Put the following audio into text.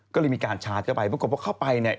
ก็เลยมีการชาร์จเข้าไปปรากฏว่าเข้าไปเนี่ย